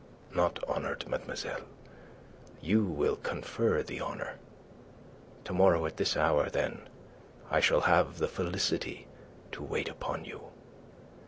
"Not honoured, mademoiselle; you will confer the honour. To morrow at this hour, then, I shall have the felicity to wait upon you."